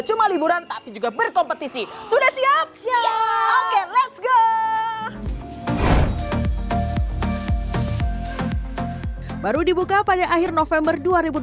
cuma liburan tapi juga berkompetisi sudah siap ya oke let's go baru dibuka pada akhir november